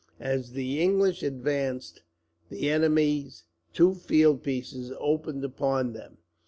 As the English advanced, the enemy's two field pieces opened upon them.